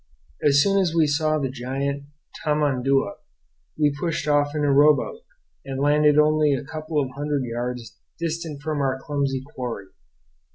As soon as we saw the giant tamandua we pushed off in a rowboat, and landed only a couple of hundred yards distant from our clumsy quarry.